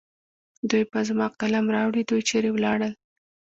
دوی به زما قلم راوړي. دوی چېرې ولاړل؟